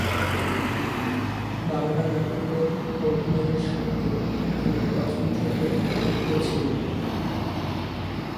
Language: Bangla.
বাংলা নাটকে অভিনয়ের সঙ্গে তিনি প্রথম থেকে যুক্ত ছিলেন।